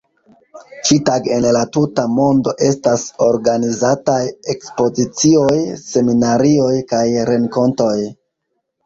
Ĉi-tage en la tuta mondo estas organizataj ekspozicioj, seminarioj kaj renkontoj.